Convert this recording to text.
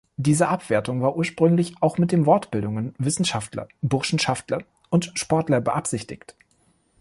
Diese Abwertung war ursprünglich auch mit den Wortbildungen „Wissenschaft-ler“, „Burschenschaft-ler“ und „Sport-ler“ beabsichtigt.